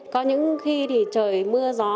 có những khi trời mưa gió